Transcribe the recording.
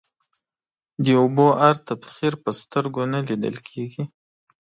د اوبو هر تبخير په سترگو نه ليدل کېږي.